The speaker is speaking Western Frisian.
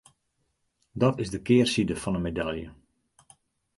Dat is de kearside fan de medalje.